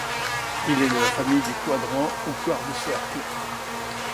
Il est de la famille des quadrants ou quarts de cercle.